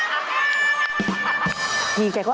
เปลี่ยนตัวเองกันสิเปลี่ยนตัวเองกันสิ